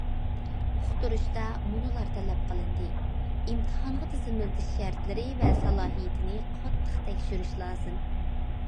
« ئۇقتۇرۇش» تا مۇنۇلار تەلەپ قىلىندى: ئىمتىھانغا تىزىملىتىش شەرتلىرى ۋە سالاھىيىتىنى قاتتىق تەكشۈرۈش لازىم.